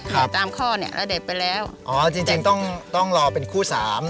ตามข้อเนี่ยระเด็บไปแล้วอ๋อจริงจริงต้องต้องรอเป็นคู่สาม